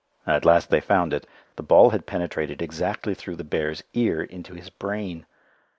At last they found it. The ball had penetrated exactly through the bear's ear into his brain.